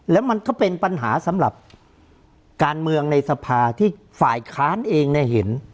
แล้วมันก็เป็นปัญหาสำหรับการเมืองในสภาที่ฝ่ายค้านเองเนี่ยเห็น